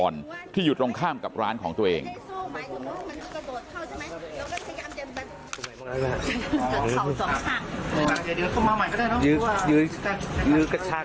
ยืดชุดกระชากกันคนร้ายเรื่องดึงเขาม่ายแล้วไปลงไปดูข้างบนด้วย